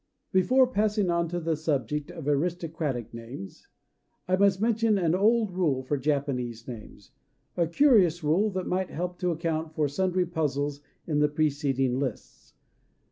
Before passing on to the subject of aristocratic names, I must mention an old rule for Japanese names, a curious rule that might help to account for sundry puzzles in the preceding lists.